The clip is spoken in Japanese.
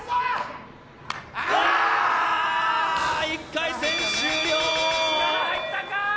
１回戦終了。